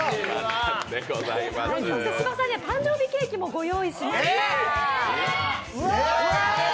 芝さんには、誕生日ケーキもご用意しました。